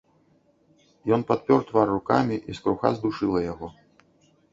Ён падпёр твар рукамі, і скруха здушыла яго.